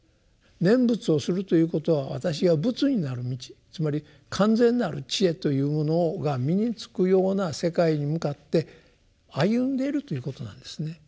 念仏をするということは私が仏になる道つまり完全なる智慧というものが身に付くような世界に向かって歩んでいるということなんですね。